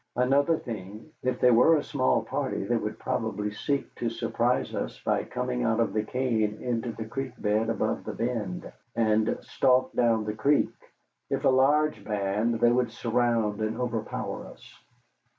Another thing: if they were a small party, they would probably seek to surprise us by coming out of the cane into the creek bed above the bend, and stalk down the creek. If a large band, they would surround and overpower us.